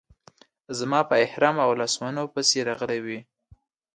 زما په احرام او لاسونو پسې راغلې وې.